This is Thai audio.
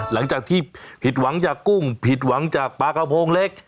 หลังจากที่ผิดหวังจากกุ้งผิดหวังจากปลากระโพงเล็ก